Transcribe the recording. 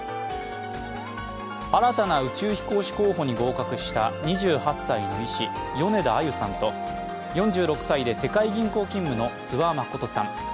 新たな宇宙飛行士候補に合格した２８歳の医師、米田あゆさんと４６歳で世界銀行勤務の諏訪理さん。